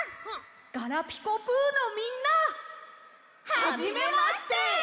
「ガラピコぷ」のみんな！はじめまして！